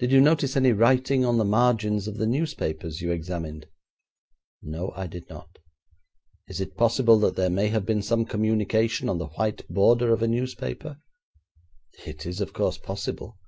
Did you notice any writing on the margins of the newspapers you examined?' 'No, I did not.' 'Is it possible that there may have been some communication on the white border of a newspaper?' 'It is, of course, possible.'